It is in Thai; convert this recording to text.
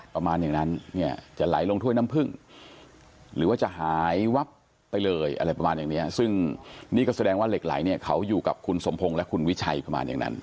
ประมาณอย่างนั้นเนี่ยจะไหลลงถ้วยน้ำผึ้งหรือว่าจะหายวับไปเลยอะไรประมาณอย่างเนี้ยซึ่งนี่ก็แสดงว่าเหล็กไหลเนี่ยเขาอยู่กับคุณสมพงศ์และคุณวิชัยประมาณอย่างนั้น